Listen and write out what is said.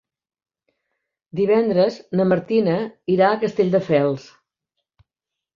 Divendres na Martina irà a Castelldefels.